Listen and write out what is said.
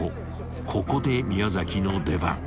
［ここで宮の出番］